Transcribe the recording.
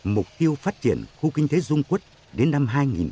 mục tiêu phát triển khu kinh tế dung quốc đến năm hai nghìn ba mươi